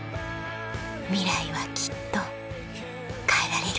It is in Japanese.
ミライはきっと変えられる